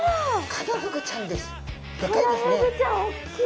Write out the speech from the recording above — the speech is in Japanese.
カナフグちゃんおっきい。